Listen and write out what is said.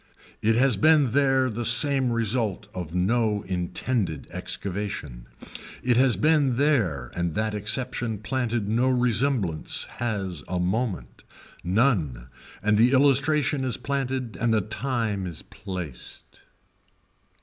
It has been there the same result of no intended excavation, it has been there and that exception planted no resemblance has a moment, none and the illustration is planted and the time is placed.